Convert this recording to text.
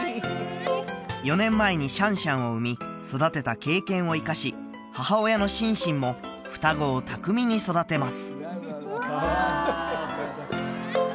４年前にシャンシャンを産み育てた経験を生かし母親のシンシンも双子を巧みに育てます